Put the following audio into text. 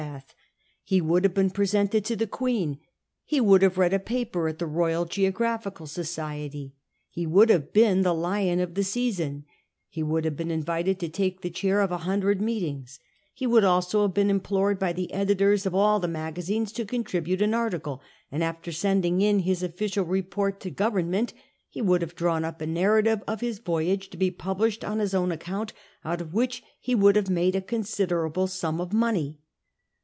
lie would have been presented to the Queen, ho would have rcail a paper at the Royal Geographical Society, he would have been the lion of the season, he woidd have been invited to take the chair at a hundred meetings, he would also have been implored by the editors of all the magazines to contribute an article, and after sending in his official rejiort to Govem meiif^ he would have dra^vn up a narrative of his voyage to be published on his own . account, out of which he would have made a considerable sum of money.